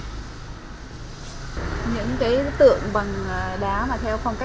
những cái tượng bằng đá mà theo phong cách